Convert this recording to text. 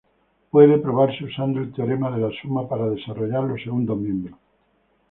Puede probarse usando el teorema de la suma para desarrollar los segundos miembros.